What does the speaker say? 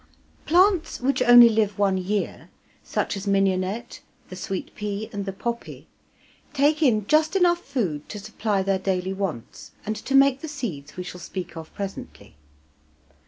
Plants which only live one year, such as mignonette, the sweet pea, and the poppy, take in just enough food to supply their daily wants and to make the seeds we shall speak of presently.